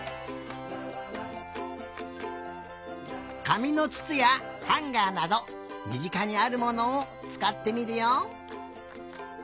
かみのつつやハンガーなどみぢかにあるものをつかってみるよ！